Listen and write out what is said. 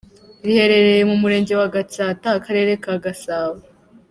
Riherereye mu murenge wa Gatsata akarere ka Gasabo.